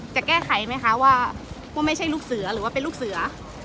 จะแก้ไขไหมคะว่าไม่ใช่ลูกเสือหรือว่าเป็นลูกเสือ